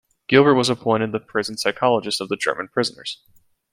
Gilbert was appointed the Prison Psychologist of the German prisoners.